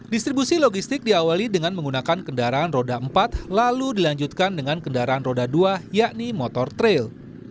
distribusi logistik diawali dengan menggunakan kendaraan roda empat lalu dilanjutkan dengan kendaraan roda dua yakni motor trail